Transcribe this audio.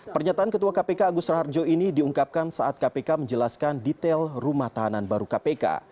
pernyataan ketua kpk agus raharjo ini diungkapkan saat kpk menjelaskan detail rumah tahanan baru kpk